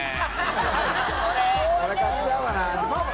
これ買っちゃおうかな。